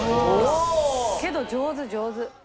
けど上手上手。